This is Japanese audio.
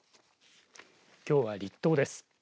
きょうは立冬です。